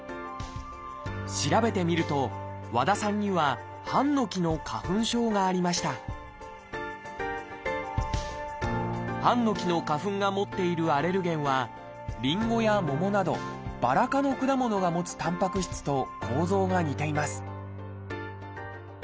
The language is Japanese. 調べてみると和田さんにはハンノキの花粉症がありましたハンノキの花粉が持っているアレルゲンはリンゴやモモなどバラ科の果物が持つたんぱく質と構造が似ています